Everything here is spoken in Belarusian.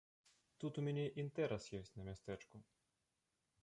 Тут у мяне інтэрас ёсць на мястэчку.